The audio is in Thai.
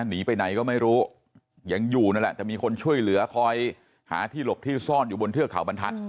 หนีไปไหนก็ไม่รู้ยังอยู่นั่นแหละแต่มีคนช่วยเหลือคอยหาที่หลบที่ซ่อนอยู่บนเทือกเขาบรรทัศน